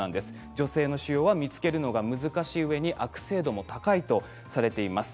女性の腫瘍は見つけるのが難しいうえ悪性度が高いとされています。